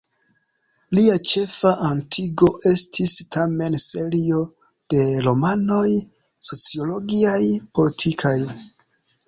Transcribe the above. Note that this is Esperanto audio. Lia ĉefa atingo estis tamen serio de romanoj sociologiaj-politikaj.